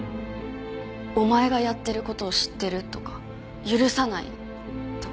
「お前がやってる事を知ってる」とか「許さない」とか。